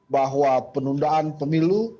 bahwa penundaan pemilu